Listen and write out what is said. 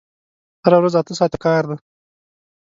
هره ورځ اته ساعته کار دی!